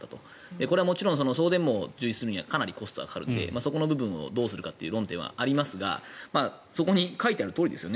これはもちろん送電網を充実するにはかなりコストがかかるのでそこの部分をどうするかという論点はありますがそこに書いてあるとおりですよね